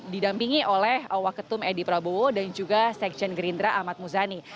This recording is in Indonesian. didampingi oleh waketum edi prabowo dan juga sekjen gerindra ahmad muzani